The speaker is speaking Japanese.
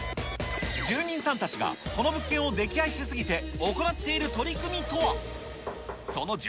住人さんたちが、この物件を溺愛しすぎて行っている取り組みとは？